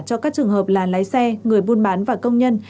cho các trường hợp là lái xe người buôn bán và công nhân